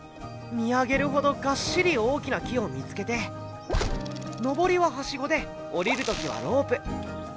見上げるほどがっしり大きな木を見つけて上りはハシゴで下りる時はロープ。